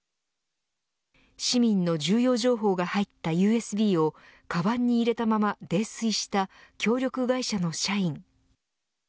市民の重要情報が入ったＵＳＢをかばんに入れたまま泥酔した協力会社の社員。